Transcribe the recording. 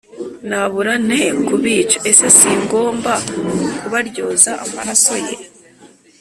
Nabura nte kubica ese singomba kubaryoza amaraso ye